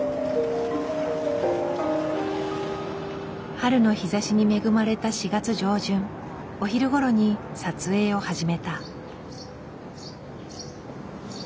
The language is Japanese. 春の日ざしに恵まれた４月上旬お昼ごろに撮影を始めた。